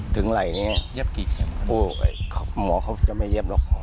ถึงไหล่เนี้ยเย็บกี่โอ้โหหมอเขาจะไม่เย็บหรอก